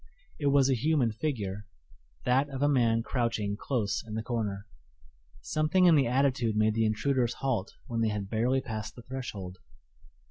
It was a human figure that of a man crouching close in the corner. Something in the attitude made the intruders halt when they had barely passed the threshold.